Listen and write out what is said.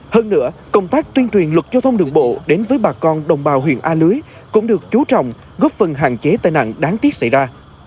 hơn nữa công tác tuyên truyền luật giao thông đường bộ đến với bà con đồng bào huyện a lưới cũng được chú trọng góp phần hạn chế tai nạn đáng tiếc xảy ra